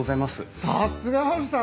さすがハルさん！